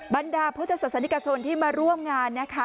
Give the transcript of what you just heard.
บรรดาพุทธศาสนิกชนที่มาร่วมงานนะคะ